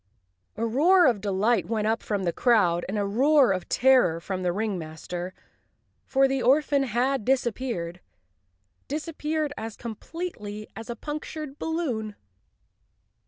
" A roar of delight went up from the crowd, and a roar of terror from the ringmaster, for the orphan had dis¬ appeared—disappeared as completely as a punctured balloon!